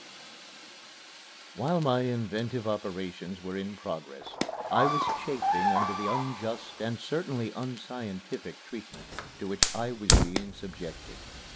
XX While my inventive operations were in progress, I was chafing under the unjust and certainly unscientific treatment to which I was being subjected.